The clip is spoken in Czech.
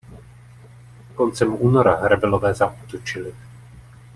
Koncem února rebelové zaútočili.